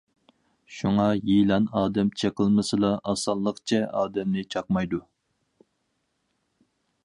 شۇڭا يىلان ئادەم چېقىلمىسىلا ئاسانلىقچە ئادەمنى چاقمايدۇ.